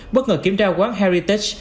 bất ngờ kiểm tra quán heritage